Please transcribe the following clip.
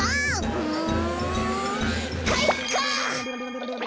うん。